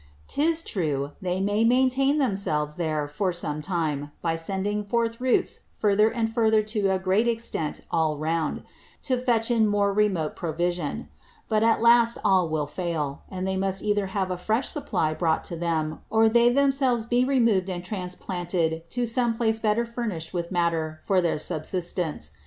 'Tis true, they may maintain themselves there for some time, by sending forth Roots further and further to a great Extent all round, to fetch in more remote Provision; but at last all will fail; and they must either have a fresh Supply brought to them, or they themselves be removed and transplanted to some Place better furnished with Matter for their Subsistence.